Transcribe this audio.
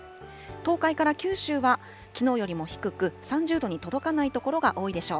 東海から九州はきのうよりも低く、３０度に届かない所が多いでしょう。